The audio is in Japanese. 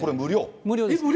無料です。